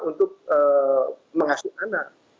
untuk mengasuh anak